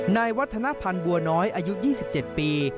นายวัฒนภัณฑ์บัวน้อยอายุ๒๗ปี